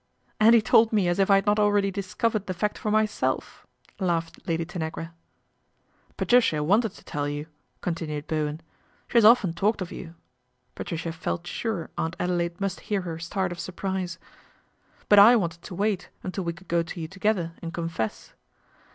" And he told me as if I had not already dis t covered the fact for myself," laughed Lad] Tanagra. " Patricia wanted to tell you," continue! Bowen. " She has often talked of you (Patrici J felt sure Aunt Adelaide must hear her start c i: surprise) ; but I wanted to wait until we could g to you together and confess."